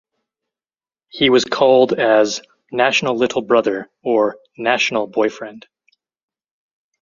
He was called as "National Little Brother" or "National Boyfriend".